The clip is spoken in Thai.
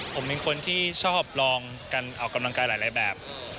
ผมเป็นคนที่ชอบลองการออกกำลังกายหลายแบบ